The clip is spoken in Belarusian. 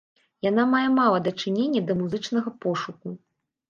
Яна мае мала дачынення да музычнага пошуку.